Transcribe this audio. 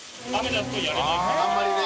あんまりね。